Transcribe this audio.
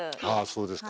そうですか。